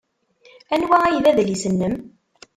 Anwa ay d adlis-nnem?